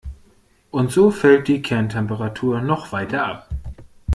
Und so fällt die Kerntemperatur noch weiter ab.